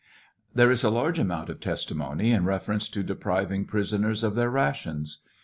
There is a large amount of testimony in reference to depriving prisoners of their rations.